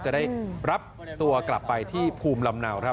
จะได้รับตัวกลับไปที่ภูมิลำเนาครับ